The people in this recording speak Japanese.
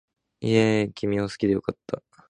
イェーイ君を好きで良かった